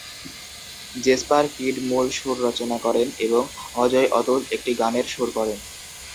Jesper Kyd মূল সুর রচনা করেন এবং অজয়-অতুল একটি গানের সুর করেন।